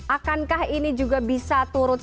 akankah ini juga bisa turut